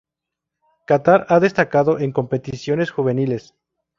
Catar ha destacado en competiciones juveniles.